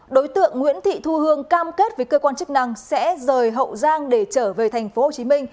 đối tượng nguyễn thị thu hương cam kết với cơ quan chức năng sẽ rời hậu giang để trở về tp hcm